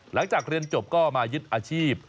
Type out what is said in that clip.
หลังจากเรียนจบก็มายึดอาชีพ